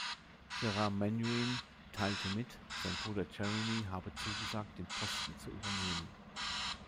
Gerard Menuhin teilte mit, sein Bruder Jeremy habe zugesagt, den Posten zu übernehmen.